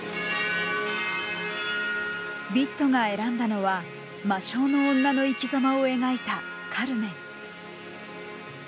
ビットが選んだのは魔性の女の生きざまを描いた「カルメン」。